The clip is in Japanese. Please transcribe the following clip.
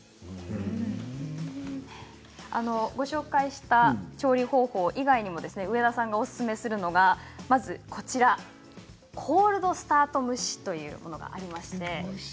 ご紹介した調理方法以外にも上田さんがおすすめするのがまずコールドスタート蒸しというものでありまして。